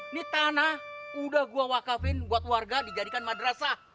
ini tanah udah gua wakafin buat warga dijadikan madrasah